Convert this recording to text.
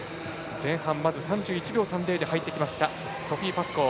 前半まず３１秒３０で入ってきたソフィー・パスコー。